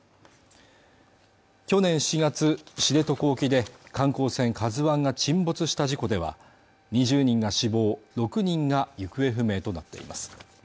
去年７月知床沖で観光船「ＫＡＺＵＩ」が沈没した事故では２０人が死亡６人が行方不明となっています